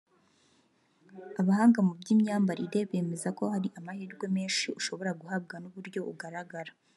Abahanga mu by’ imyambarire bemeza ko hari amahirwe menshi ushobora guhabwa n’ uburyo ugaragara